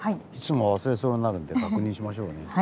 いつも忘れそうになるんで確認しましょうね。